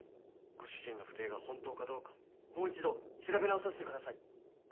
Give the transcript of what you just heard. ご主人の不貞が本当かどうかもう一度調べ直させてください。